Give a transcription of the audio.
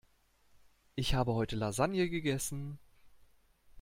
Ich habe heute Lasagne gegessen.